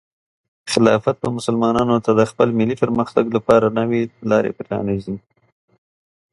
خلافت به مسلمانانو ته د خپل ملي پرمختګ لپاره نوې لارې پرانیزي.